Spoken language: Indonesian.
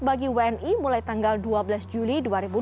bagi wni mulai tanggal dua belas juli dua ribu dua puluh